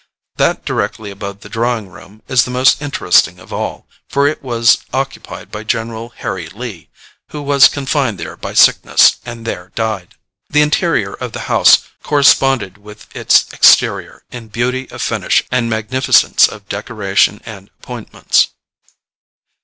That directly above the drawing room is the most interesting of all, for it was occupied by General Harry Lee, who was confined there by sickness, and there died. The interior of the house corresponded with its exterior in beauty of finish and magnificence of decoration and appointments.